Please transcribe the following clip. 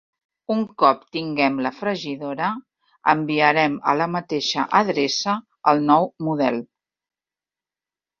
Un cop tinguem la fregidora, enviarem a la mateixa adreça el nou model.